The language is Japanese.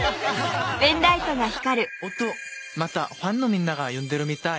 おっとまたファンのみんなが呼んでるみたい。